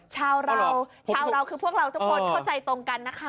ชาวเราชาวเราทุกคนเข้าใจตรงกันนะค่ะ